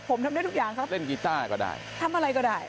ผมทำได้ทุกอย่างครับเล่นกีต้าก็ได้ทำอะไรก็ได้